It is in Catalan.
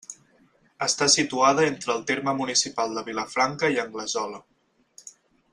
Està situada entre el terme municipal de Vilafranca i Anglesola.